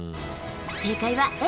正解はＡ。